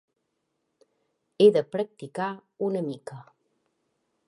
He de practicar una mica.